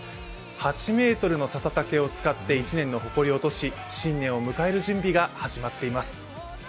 ８ｍのささ竹を使って１年のほこりを落とし新年を迎える準備が始まっています。